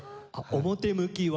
表向きは。